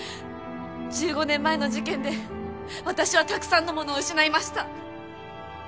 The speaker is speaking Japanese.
１５年前の事件で私はたくさんのものを失いました。